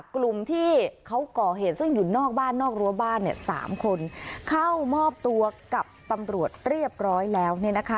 กลุ่มที่เขาก่อเหตุซึ่งอยู่นอกบ้านนอกรั้วบ้านเนี่ย๓คนเข้ามอบตัวกับตำรวจเรียบร้อยแล้ว